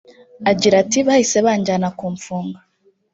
Agira ati “Bahise banjyana kumfunga